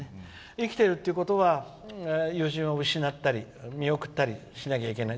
生きてるってことは友人を失ったり見送ったりしなきゃいけない。